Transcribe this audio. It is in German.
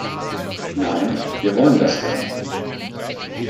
Nein, wir wollen das gar nicht.